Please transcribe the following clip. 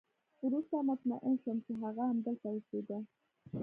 وروسته مطمئن شوم چې هغه همدلته اوسېده